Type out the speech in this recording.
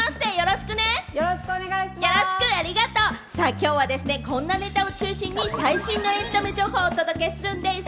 きょうはこんなネタを中心に最新エンタメ情報をお届けするんでぃす。